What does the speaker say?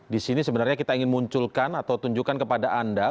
di sini sebenarnya kita ingin munculkan atau tunjukkan kepada anda